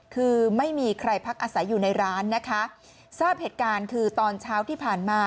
คือไม่มีใครพักอาศัยอยู่ในร้านนะคะทราบเหตุการณ์คือตอนเช้าที่ผ่านมา